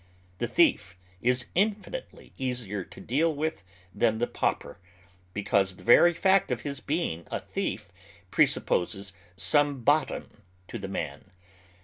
The thief ie in finitely easier to deal with than the pauper, because the very fact of his being a thief presupposes some bottom to the man.